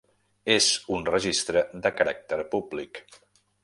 És un registre de caràcter públic.